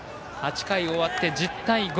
８回終わって１０対５。